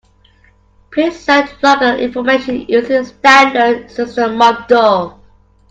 Please send log information using the standard system module.